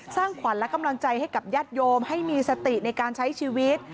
สร้างขวัญและกำลังใจให้กับญาติโยมให้มีสติในการใช้ชีวิต